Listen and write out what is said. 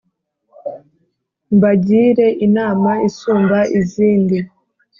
Mbagire inama isumba izindi